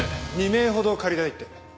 ２名ほど借りたいって。